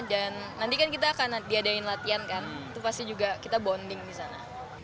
dan nanti kan kita akan diadain latihan kan itu pasti juga kita bonding di sana